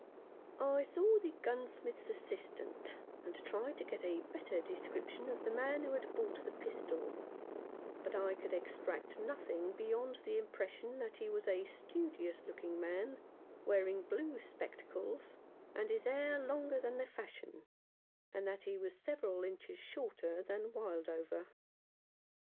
183 Rough Justice. I saw the gunsmith's assistant, and tried to get a better description of the man who bought the pistol, but I could extract nothing beyond the impression that he was a studious looking man, wearing blue spectacles, and his hair longer than the fashion, and that he was several inches shorter than Wildover.